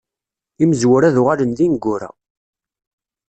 Imezwura ad uɣalen d ineggura.